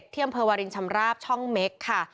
ที่อำเภอวารินชำราบช่องเม็กค่ะ